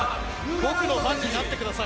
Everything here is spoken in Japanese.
僕のファンになってください。